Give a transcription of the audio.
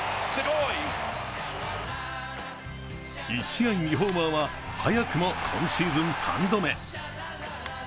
１試合２ホーマーは早くも今シーズン３度目。